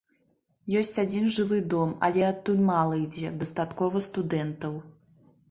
Ёсць адзін жылы дом, але адтуль мала ідзе, дастаткова студэнтаў.